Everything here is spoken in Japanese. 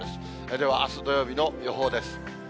では、あす土曜日の予報です。